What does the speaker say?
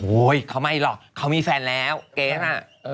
โหยเขาไม่หรอกเขามีแฟนแล้วแก๊กน่ะ